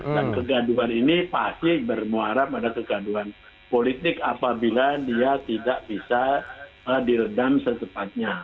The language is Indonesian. dan kegaduhan ini pasti bermuara pada kegaduhan politik apabila dia tidak bisa diredam setepatnya